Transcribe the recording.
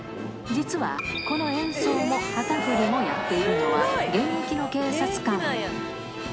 実は、この演奏も旗振りもやっているのは現役の警察官。